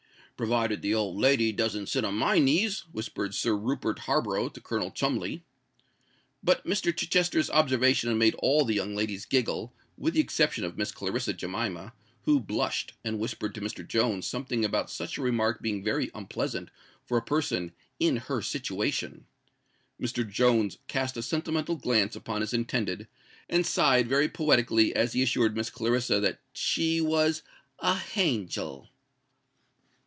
"Provided the old lady doesn't sit on my knees," whispered Sir Rupert Harborough to Colonel Cholmondeley. But Mr. Chichester's observation had made all the young ladies giggle, with the exception of Miss Clarissa Jemima, who blushed, and whispered to Mr. Jones something about such a remark being very unpleasant for a person "in her situation." Mr. Jones cast a sentimental glance upon his intended, and sighed very poetically as he assured Miss Clarissa that she was "a hangel."